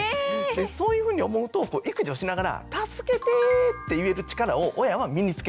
そういうふうに思うと育児をしながら「助けて！」って言える力を親は身につけてほしい。